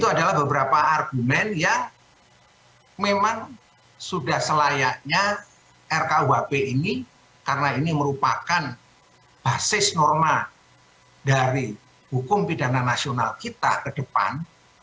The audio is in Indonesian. itu adalah beberapa argumen yang memang sudah selayaknya rkuhp ini karena ini merupakan basis norma dari hukum pidana nasional kita ke depan